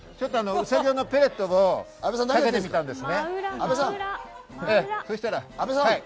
ウサギ用のペレットをかけてみたんです。